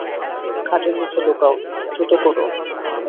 খাটের নিচে লুকাও, দ্রুত করো।